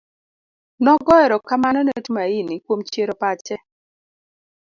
Nogoyo ero kamano ne Tumaini kuom chiero pache